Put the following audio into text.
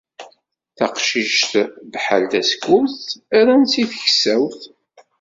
Taqcict abḥal tasekkurt, rran-tt i tkessawt